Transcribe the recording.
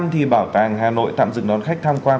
thì bảo tàng hà nội tạm dừng đón khách tham quan